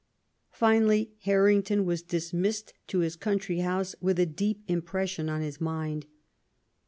Finally Harrington was dismissed to his country house, with a deep impression on his mind.